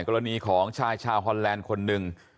กรณีของชายชาวฮอนแลนด์คนหนึ่ง